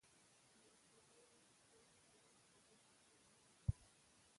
يوه شېبه يې خپله لور په غېږ کې ونيوله.